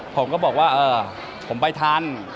ผมก็บอกว่าเออผมไปทัน